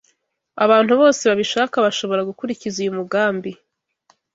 Abantu bose babishaka bashobora gukurikiza uyu mugambi